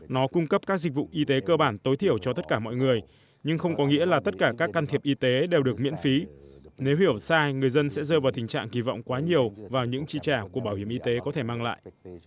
nó cung cấp các dịch vụ y tế cơ bản tối thiểu cho tất cả mọi người nhưng không có nghĩa là tất cả các can thiệp y tế đều được miễn phí nếu hiểu sai người dân sẽ rơi vào tình trạng kỳ vọng quá nhiều vào những chi trả của bảo hiểm y tế có thể mang lại